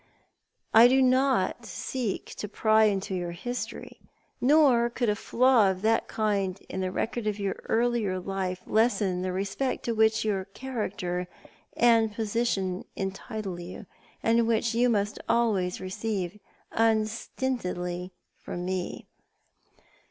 I do not seek to pry into your history, nor could a flaw of that kind in the record of your earlier life lessen the respect to which your character and position entitle you, and which you must always receive, unstintedly, from me.